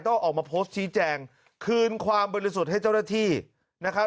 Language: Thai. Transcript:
ออกมาโพสต์ชี้แจงคืนความบริสุทธิ์ให้เจ้าหน้าที่นะครับ